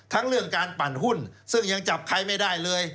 เรื่องการปั่นหุ้นซึ่งยังจับใครไม่ได้เลย